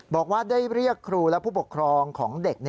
บอกว่าได้เรียกครูและผู้ปกครองของเด็ก